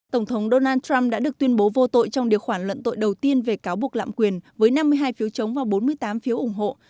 tổng thống donald trump đã được tuyên bố vô tội trong điều khoản luận tội đầu tiên về cáo buộc lạm quyền với năm mươi hai phiếu chống và bốn mươi tám phiếu ủng hộ